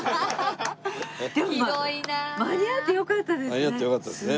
間に合ってよかったですね